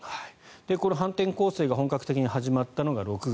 これ反転攻勢が本格的に始まったのが６月。